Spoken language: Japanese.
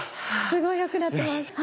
すごい良くなってます。